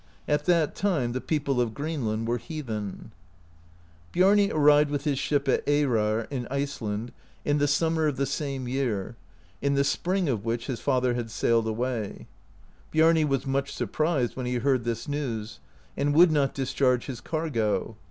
At that time the people of Greenland wxre heathen, Biami arrived with his ship at Eyrar [in Iceland] in the summer of the same year, in the spring of w^hich his father had sailed away, Biami was much surprised when he heard this new^s, and would not discharge hfs cargo.